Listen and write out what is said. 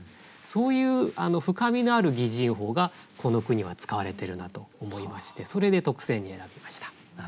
そういう深みのある擬人法がこの句には使われてるなと思いましてそれで特選に選びました。